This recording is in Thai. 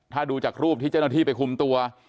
ถ้าดูจากรูปที่เจ้าหน้าที่ไปคุมตัว